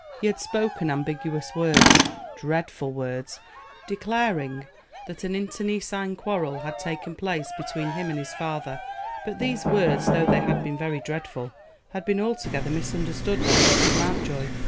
He had spoken ambiguous words, dreadful words, declaring that an internecine quarrel had taken place between him and his father; but these words, though they had been very dreadful, had been altogether misunderstood by Mrs. Mountjoy.